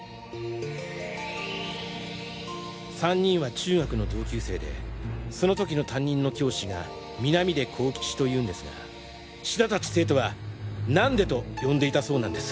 ３人は中学の同級生でその時の担任の教師が南出公吉というんですが志田たち生徒は「ナンデ」と呼んでいたそうなんです。